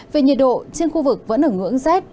về nhiệt độ trên khu vực vẫn ở ngưỡng rét